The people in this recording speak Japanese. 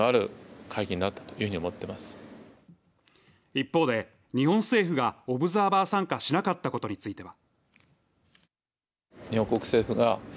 一方で、日本政府がオブザーバー参加しなかったことについては。